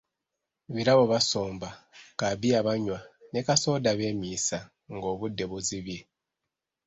Birabo basomba, kabiya banywa ne ka sooda beemiisa nga obudde buzibye.